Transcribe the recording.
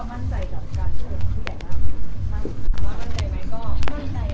คุณผู้ใหญ่ที่อยู่ข้างใน